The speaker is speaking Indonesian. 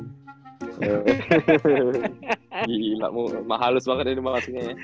gila mau mahalus banget ini maksudnya ya